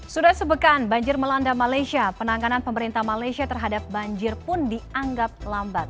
sudah sepekan banjir melanda malaysia penanganan pemerintah malaysia terhadap banjir pun dianggap lambat